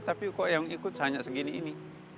tapi kok yang ikut hanya segini ini